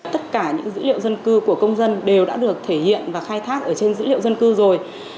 tất cả những dữ liệu dân cư của công dân đều đã được thể hiện và khai thác ở trên dữ liệu dân cư rồi